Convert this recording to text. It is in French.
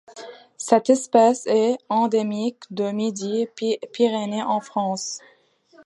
Cette espèce est endémique de Midi-Pyrénées en France.